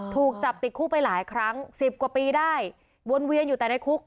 ถูกจับติดคุกไปหลายครั้งสิบกว่าปีได้วนเวียนอยู่แต่ในคุก